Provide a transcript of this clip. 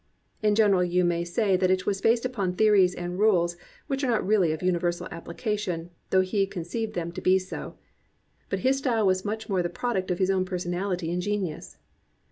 In gen eral you may say that it was based upon theories and rules which are not really of universal application, though he conceived them to be so. But his style was much more the product of his own personality and genius.